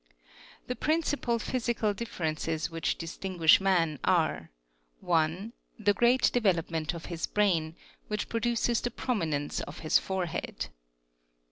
The principal physical differences which distinguish man, are: 3. 1. The great devel)f>ernent of his bram, which produces the prominence of his forehead.